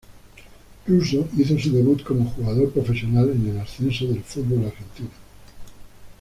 Russo hizo su debut como jugador profesional en el ascenso del fútbol argentino.